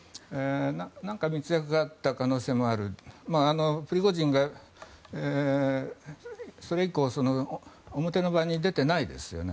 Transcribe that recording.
何か密約があった可能性もあるしプリゴジンがそれ以降表の場に出てないですよね。